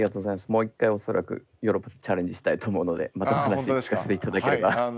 もう一回恐らくヨーロッパでチャレンジしたいと思うのでまた話聞かせて頂ければ。